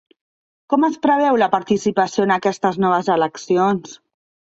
Com es preveu la participació en aquestes noves eleccions?